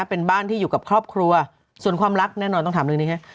เป็นบ้านที่อยู่กับครอบครัวส่วนความรักแน่นอนต้องถามเรื่องนี้ให้